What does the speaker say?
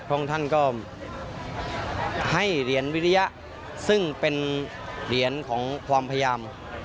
องค์ท่านก็ให้เหรียญวิริยะซึ่งเป็นเหรียญของความพยายาม